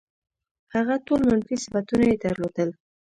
هغه ټول منفي صفتونه یې درلودل.